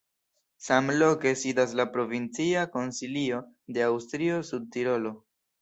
Samloke sidas la provincia konsilio de Aŭstrio-Sudtirolo.